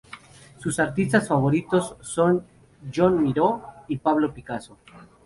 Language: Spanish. Sus Artistas favoritos son Joan Miró y Pablo Picasso.